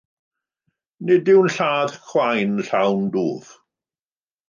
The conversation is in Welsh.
Nid yw'n lladd chwain llawn dwf.